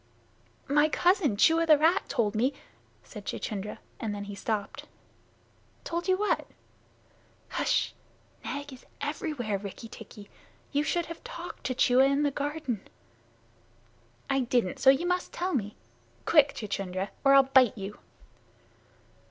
"My cousin Chua, the rat, told me " said Chuchundra, and then he stopped. "Told you what?" "H'sh! Nag is everywhere, Rikki tikki. You should have talked to Chua in the garden." "I didn't so you must tell me. Quick, Chuchundra, or I'll bite you!"